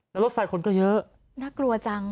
แล้วรถไฟคนก็เยอะน่ากลัวจัง